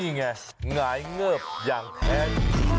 นี่ไงหงายเงิบอย่างแท้